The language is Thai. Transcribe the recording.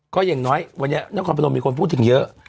ก็อย่างน้อยวันนี้นครพนมมีคนพูดถึงเยอะ